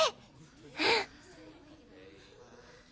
うん！